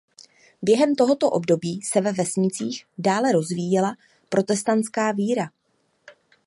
Během tohoto období se ve vesnicích dále rozvíjela protestantská víra.